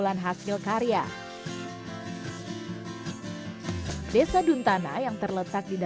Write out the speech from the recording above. semua sekarang sudah tersedia